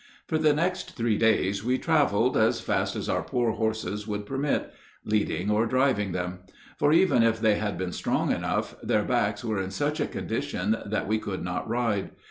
For the next three days we traveled as fast as our poor horses would permit, leading or driving them; for even if they had been strong enough, their backs were in such a condition that we could not ride.